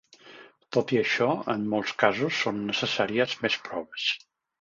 Tot i això, en molts casos són necessàries més proves.